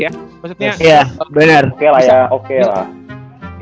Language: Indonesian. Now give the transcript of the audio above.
iya bener oke lah ya oke lah